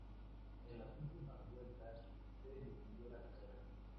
En las últimas vueltas se decidió la carrera.